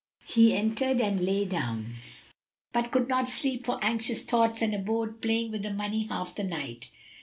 He entered and lay down, but could not sleep for anxious thoughts and abode playing with the money half the night.